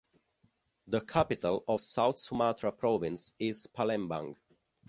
The capital of South Sumatra province is Palembang.